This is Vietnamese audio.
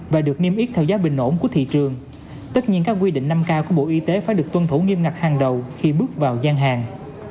và được niêm yết theo giá bình ổn của thị trường tất nhiên các quy định năm k của bộ y tế phải được tuân thủ nghiêm ngặt hàng đầu khi bước vào gian hàng